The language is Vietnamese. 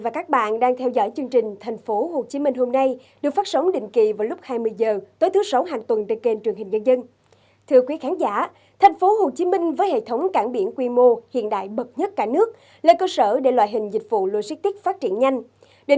các bạn hãy đăng ký kênh để ủng hộ kênh của chúng mình nhé